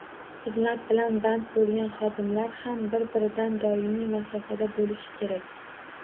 Xizmat bilan band bo'lgan xodimlar ham bir -biridan doimiy masofada bo'lishi kerak